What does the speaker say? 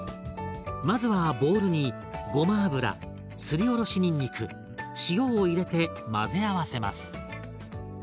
まずはボウルにごま油すりおろしにんにく塩を入れて混ぜ合わせます。